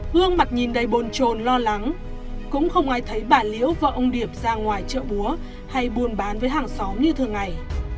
hương mặt nhìn đầy bồn trồn lo lắng cũng không ai thấy bà liễu vợ ông điệp ra ngoài chợ búa hay buôn bán với hàng xóm như thường ngày